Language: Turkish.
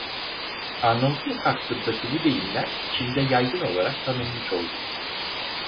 Arnavutluk hakkındaki bu deyimler Çin'de yaygın olarak tanınmış oldu.